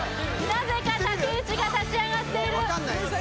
なぜか竹内が立ち上がっている分かんないよ